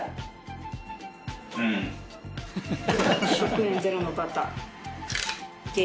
食塩ゼロのバター。